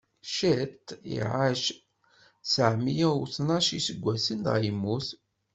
Cit iɛac tteɛmeyya u tnac n iseggasen, dɣa yemmut.